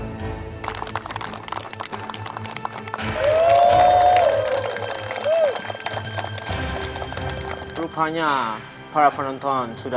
carian mereleski jumpa di penghapusan kita